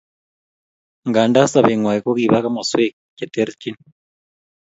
Nganda sobengwai kokiba komoswek che terchin